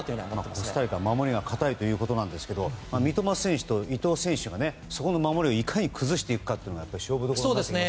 コスタリカは守りが堅いということなんですが三笘選手と伊東選手がそこの守りをいかに崩していくか勝負どころですね。